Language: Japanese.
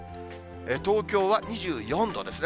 東京は２４度ですね。